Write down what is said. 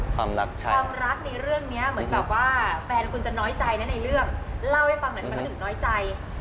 ความรักในเรื่องนี้เหมือนแบบว่าแฟนคุณจะน้อยใจนะในเรื่องเล่าให้ฟังหน่อยมันก็ถึงน้อยใจ